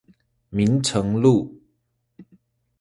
明誠路